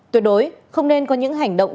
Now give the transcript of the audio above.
tuyệt đối không nên có những hành động